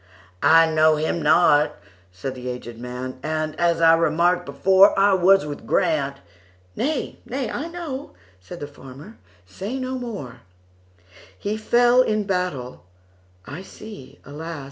"I know him not," said the aged man,"And, as I remarked before,I was with Grant"—"Nay, nay, I know,"Said the farmer, "say no more:"He fell in battle,—I see, alas!